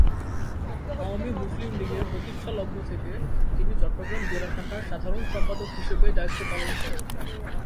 আওয়ামী মুসলিম লীগের প্রতিষ্ঠা লগ্ন থেকে তিনি চট্টগ্রাম জেলা শাখার সাধারণ সম্পাদক হিসেবে দায়িত্ব পালন করেন।